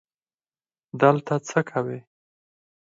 دلته څه کوې؟